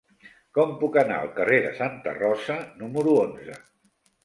Com puc anar al carrer de Santa Rosa número onze?